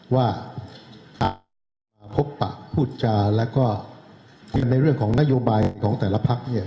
ว่าหากมาพบปะพูดจาแล้วก็ในเรื่องของนโยบายของแต่ละพักเนี่ย